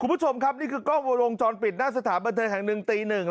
คุณผู้ชมครับนี่คือกล้องวงจรปิดหน้าสถานบันเทิงแห่งหนึ่งตีหนึ่ง